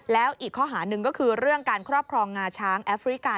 แล้วอีกข้อหาหนึ่งก็คือเรื่องการครอบครองงาช้างแอฟริกา